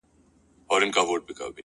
بيا به يې خپه اشـــــــــــــنا ـ